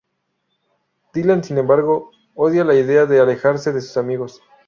Dylan, sin embargo, odia la idea de alejarse de sus amigos.